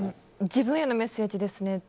自分へのメッセージですね。